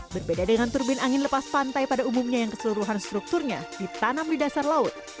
berbeda dengan turbin angin lepas pantai pada umumnya yang keseluruhan strukturnya ditanam di dasar laut